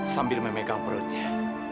sambil memegang perutnya